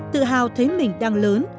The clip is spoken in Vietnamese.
tự hào thấy mình đang lớn